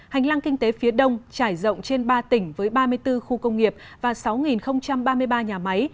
hành lang kinh tế phía đông trải rộng trên ba tỉnh với ba mươi bốn khu công nghiệp và sáu ba mươi ba nhà máy